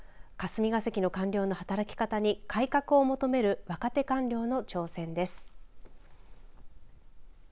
霞が関の官僚の働き方に改革を求める若手官僚の挑戦です。